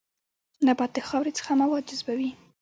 نبات د خاورې څخه مواد جذبوي